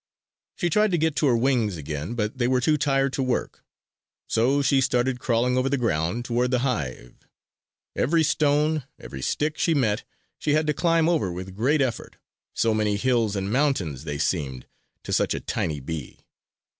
She tried to get to her wings again, but they were too tired to work. So she started crawling over the ground toward the hive. Every stone, every stick she met, she had to climb over with great effort so many hills and mountains they seemed to such a tiny bee.